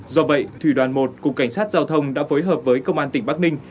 do vậy thủy đoàn một cục cảnh sát giao thông đã phối hợp với công an tỉnh bắc ninh